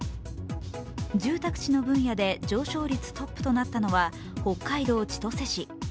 住宅地の分野で上昇率トップとなったのは北海道千歳市。